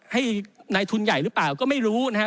ให้นายทุนใหญ่หรือเปล่าก็ไม่รู้นะครับ